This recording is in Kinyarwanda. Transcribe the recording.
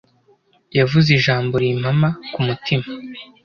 Yavuze ijambo rimpama k'umutima